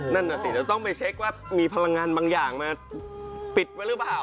นั่นน่ะสิเดี๋ยวต้องไปเช็คว่ามีพลังงานบางอย่างมาปิดไว้หรือเปล่า